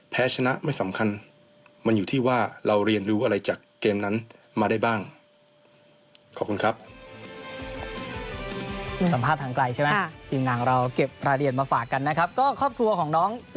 แพ้ชนะไม่สำคัญมันอยู่ที่ว่าเราเรียนรู้อะไรจากเกมนั้นมาได้บ้าง